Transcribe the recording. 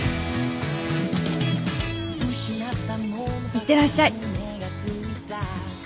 いってらっしゃい。